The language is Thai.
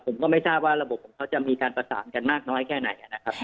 ผมก็ไม่ทราบว่าระบบของเขาจะมีการประสานกันมากน้อยแค่ไหนนะครับ